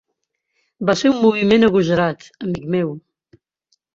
Va ser un moviment agosarat, amic meu.